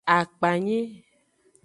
Akpanyi.